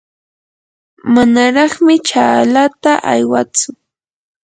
manaraqmi chaalata aywatsu.